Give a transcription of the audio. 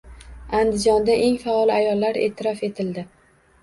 Andijonda eng faol ayollar e’tirof etildi